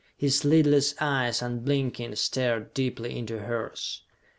His lidless eyes, unblinking, stared deeply into hers.